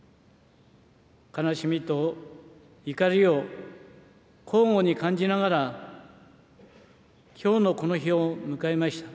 悲しみと怒りを交互に感じながら、きょうのこの日を迎えました。